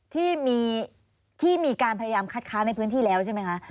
ที่มีการพยายามคัดค้านในพื้นที่แล้วใช่ไหมคะ